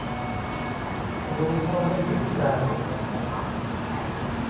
รู้เท่าไม่ถึงการณ์